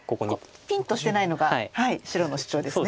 ピンとしてないのが白の主張ですね。